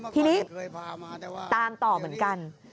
ทีนี้ตามต่อเหมือนกัน